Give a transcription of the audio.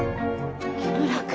木村君。